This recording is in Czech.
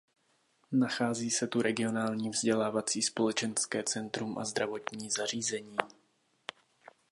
Nachází se tu regionální vzdělávací a společenské centrum a zdravotní zařízení.